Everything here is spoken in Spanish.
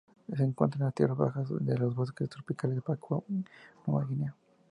Se encuentran en las tierras bajas de los bosques tropicales de Papúa Nueva Guinea.